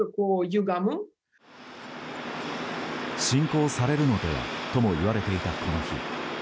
侵攻されるのではともいわれていたこの日。